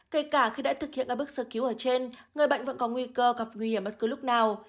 kể cả khi đã thực hiện các bước sơ cứu ở trên người bệnh vẫn có nguy cơ gặp nguy hiểm bất cứ lúc nào